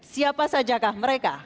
siapa sajakah mereka